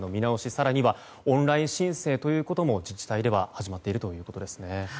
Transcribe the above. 更にはオンライン申請ということも自治体では始まっているということですね。